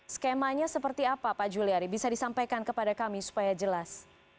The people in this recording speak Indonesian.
skemanya seperti apa pak juliari bisa disampaikan kepada kami supaya jelas